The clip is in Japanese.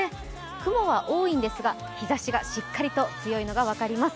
雲は多いんですが、日ざしはしっかりと強いのが分かりまあす。